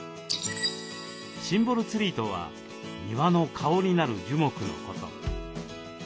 シンボルツリーとは庭の顔になる樹木のこと。